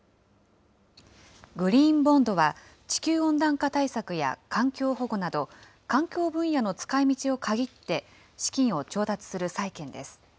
グリーンボンドは、地球温暖化対策や環境保護など、環境分野に使いみちを限って、資金を調達する債券です。